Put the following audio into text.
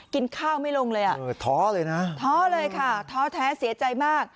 กินข้าวไม่ลงเลยอ่ะเออท้อเลยนะท้อเลยค่ะท้อแท้เสียใจมาก